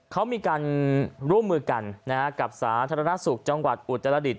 เขามีการร่วมมือกันกับสาธารณสุขจังหวัดอุตรดิษ